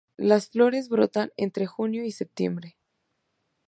Las flores brotan entre junio y septiembre.